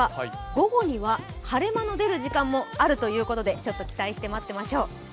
午後には晴れ間の出る時間もあるということでちょっと期待して待っていましょう。